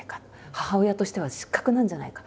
母親としては失格なんじゃないか。